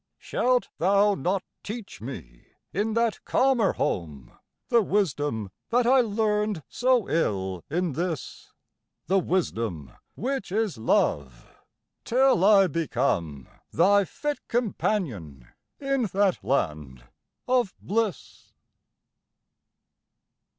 Shalt thou not teach me, in that calmer home, The wisdom that I learned so ill in this, The wisdom which is love, till I become Thy fit companion in that land of bliss?